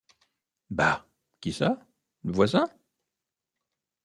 Bah! qui ça? le voisin ?